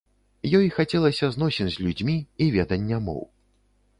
Ёй хацелася зносін з людзьмі і ведання моў.